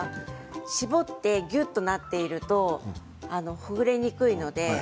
絞ってぎゅっとなっているとほぐれにくいので。